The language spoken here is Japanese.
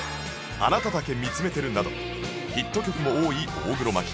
『あなただけ見つめてる』などヒット曲も多い大黒摩季